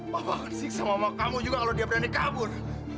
papa akan siksa mama kamu juga kalau dia berani kabur